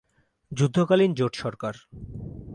যুদ্ধকালীন জোট সরকার।